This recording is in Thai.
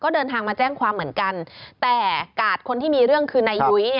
เดินทางมาแจ้งความเหมือนกันแต่กาดคนที่มีเรื่องคือนายยุ้ย